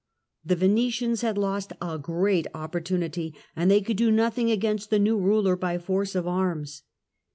The Venetians had lost a great opportunity and they could do nothing against the new ruler by force of arms.